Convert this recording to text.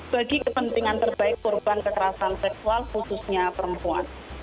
bagi kepentingan terbaik korban kekerasan seksual khususnya perempuan